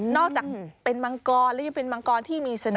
อกจากเป็นมังกรแล้วยังเป็นมังกรที่มีเสนอ